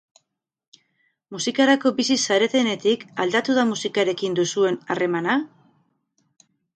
Musikarako bizi zaretenetik, aldatu da musikarekin duzuen harremana?